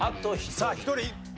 さあ１人。